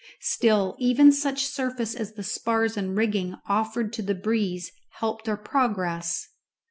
Still, even such surface as the spars and rigging offered to the breeze helped our progress.